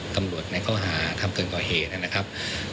ตำรวจในข้อหาทำเกินกว่าเหตุนะครับ